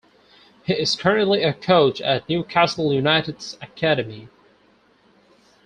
He is currently a coach at Newcastle United's academy.